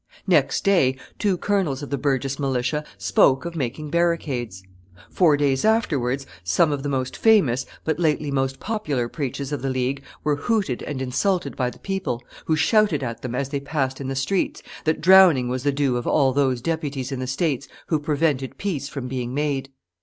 Next day, two colonels of the burgess militia spoke of making barricades; four days afterwards, some of the most famous and but lately most popular preachers of the League were hooted and insulted by the people, who shouted at them as they passed in the streets that drowning was the due of all those deputies in the states who prevented peace from being made.